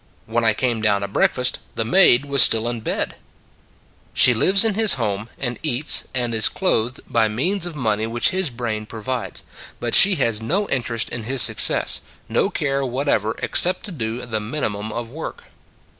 " When I came down to breakfast, the maid was still in bed." She lives in his home, and eats, and is "And Re Goeth" 97 clothed by means of money which his brain provides; but she has no interest in his success, no care whatever except to do the minimum of work.